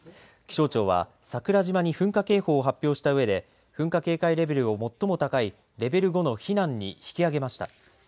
気象庁は桜島に噴火警報を発表した上で噴火警戒レベルを最も高いレベル５の避難に引き上げました。